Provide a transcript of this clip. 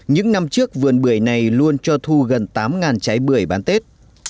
những năm trước vườn bưởi này luôn cho thu gần tám trái bưởi bán tết